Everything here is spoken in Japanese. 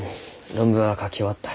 論文は書き終わった。